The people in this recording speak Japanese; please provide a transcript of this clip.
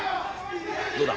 どうだ？